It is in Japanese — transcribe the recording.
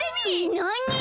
なに！